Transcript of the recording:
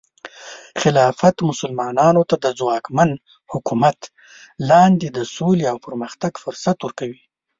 خلافت مسلمانانو ته د ځواکمن حکومت لاندې د سولې او پرمختګ فرصت ورکوي.